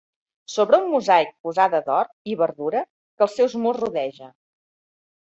Sobre un mosaic posada d'or i verdura que els seus murs rodeja.